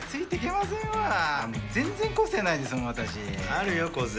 あるよ個性。